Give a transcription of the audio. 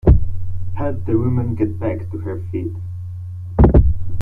Help the woman get back to her feet.